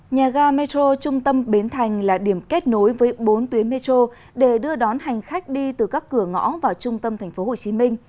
nhà ga metro trung tâm bến thành là điểm kết nối với bốn tuyến metro để đưa đón hành khách đi từ các cửa ngõ vào trung tâm tp hcm